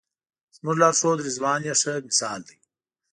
زموږ لارښود رضوان یې ښه مثال دی.